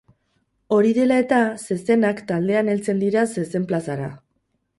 Hori dela eta, zezenak taldean heltzen dira zezen-plazara.